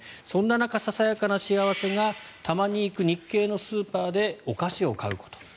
そんな中ささやかな幸せがたまに行く日系のスーパーでお菓子を買うこと。